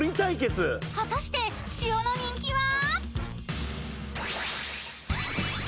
［果たして塩の人気は？］